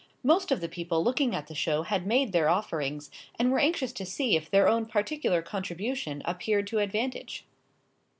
Most of the people looking at the show had made their offerings, and were anxious to see if their own particular contribution appeared to advantage.